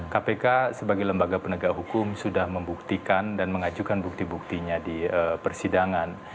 kpk sebagai lembaga penegak hukum sudah membuktikan dan mengajukan bukti buktinya di persidangan